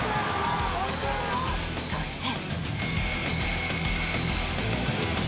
そして。